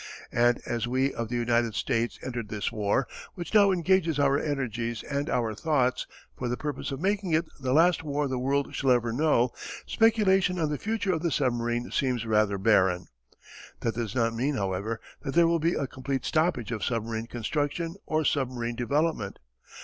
And as we of the United States entered this war, which now engages our energies and our thoughts, for the purpose of making it the last war the world shall ever know, speculation on the future of the submarine seems rather barren. That does not mean however that there will be a complete stoppage of submarine construction or submarine development.